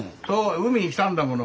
海に来たんだもの。